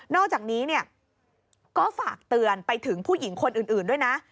อกจากนี้ก็ฝากเตือนไปถึงผู้หญิงคนอื่นด้วยนะ